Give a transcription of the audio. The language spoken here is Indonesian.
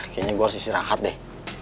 kayaknya gue harus istirahat deh